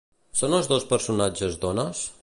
Són els dos personatges dones?